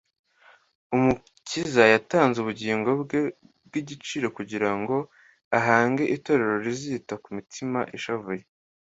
Umukiza yatanze ubugingo bwe bw'igiciro kugira ngo ahange itorero rizita ku mitima ishavuye